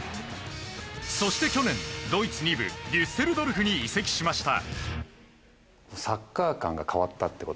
そして去年ドイツ２部デュッセルドルフに移籍しました。